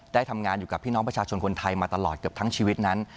ได้ทำงานอยู่กับพี่น้องประชาชนคนไทยมาตลอดเกือบทั้งชีวิตนั้น